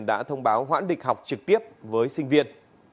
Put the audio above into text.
đã thông báo hoãn địch học trực tiếp với sinh viên